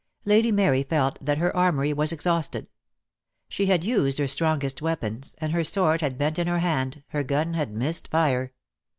Lady Mary felt that her armoury was exhausted. She had used her strongest weapons, and her sword had bent in her hand, her gun had missed fire.